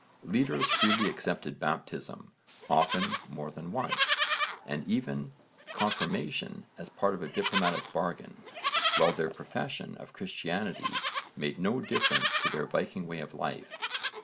Leaders freely accepted baptism often more than once and even confirmation as part of a diplomatic bargain, while their profession of Christianity made no difference to their Viking way of life.